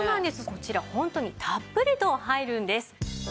こちらホントにたっぷりと入るんです。